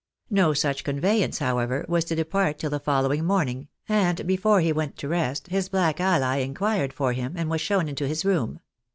No such conveyance, however, was to depart till the following morning, and before he went to rest, liis black ally inquired for him, and was shown into his room.